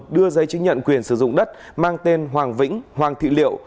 đưa giấy chứng nhận quyền sử dụng đất mang tên hoàng vĩnh hoàng thị liệu